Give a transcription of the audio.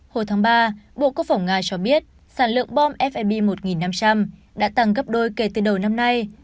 hồi tháng ba bộ quốc phòng nga cho biết sản lượng bom fib một nghìn năm trăm linh đã tăng gấp đôi kể từ đầu năm nay